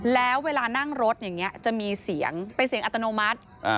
แล้วเวลานั่งรถอย่างนี้จะมีเสียงเป็นเสียงอัตโนมัติ